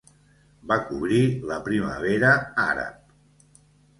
Va cobrir la Primavera Àrab.